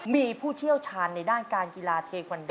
มีผู้เชี่ยวชาญในด้านการกีฬาเทควันโ